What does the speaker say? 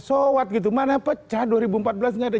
sowat gitu mana pecah dua ribu empat belas nggak ada